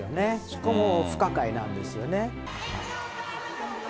そこも不可解なんですよね。